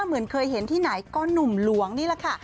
เหมือนเคยเห็นที่ไหนก็หนุ่มหลวงนี่แหละค่ะ